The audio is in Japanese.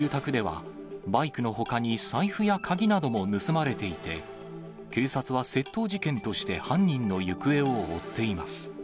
この住宅では、バイクのほかに財布や鍵なども盗まれていて、警察は窃盗事件として、犯人の行方を追っています。